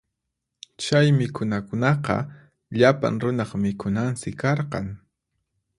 Chay mikhunakunaqa llapan runaq mikhunansi karqan.